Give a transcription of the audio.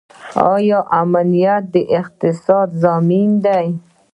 آیا امنیت د اقتصاد ضامن دی؟